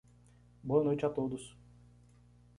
Boa noite a todos.